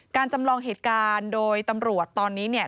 จำลองเหตุการณ์โดยตำรวจตอนนี้เนี่ย